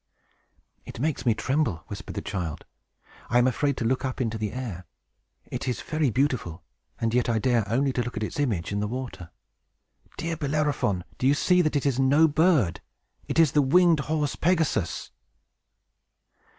"It makes me tremble!" whispered the child. "I am afraid to look up into the air! It is very beautiful, and yet I dare only look at its image in the water. Dear Bellerophon, do you not see that it is no bird? It is the winged horse Pegasus!"